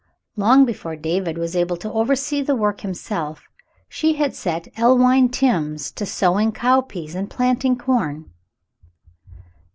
Long before David was able to oversee the work himself, she had set Elwine Timms to sowing cow peas and planting corn.